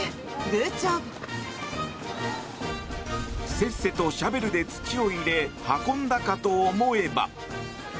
せっせとシャベルで土を入れ運んだかと思えば。